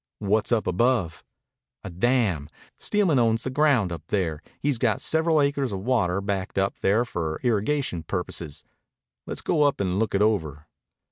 "What's up above?" "A dam. Steelman owns the ground up there. He's got several acres of water backed up there for irrigation purposes." "Let's go up and look it over."